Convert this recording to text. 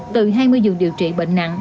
từ hai mươi giường điều trị bệnh nặng